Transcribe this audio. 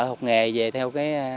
học nghề về theo